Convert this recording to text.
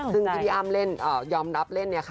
ซึ่งพี่อ้ำเล่นยอมนับเล่นเนี่ยค่ะ